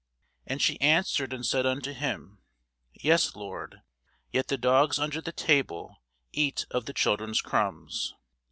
And she answered and said unto him, Yes, Lord: yet the dogs under the table eat of the children's crumbs.